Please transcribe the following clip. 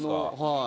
はい。